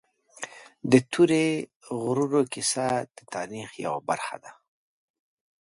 د تورې غرونو کیسه د تاریخ یوه برخه ده.